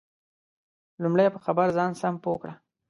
لمړی په خبر ځان سم پوه کړئ